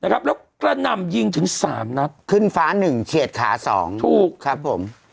แล้วก็นำยิงถึงสามนับขึ้นฟ้าหนึ่งเฉียดขาสองถูกครับผม